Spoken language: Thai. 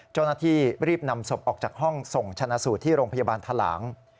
เจ้าหน้าที่รีบนำศพออกจากห้องส่งชนะสูตรที่โรงพยาบาลทะลาง